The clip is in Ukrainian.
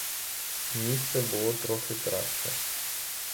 Місце було трохи краще.